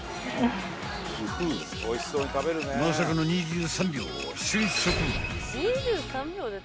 ［まさかの２３秒］